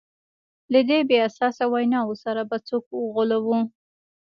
له دې بې اساسه ویناوو سره به څوک وغولوو.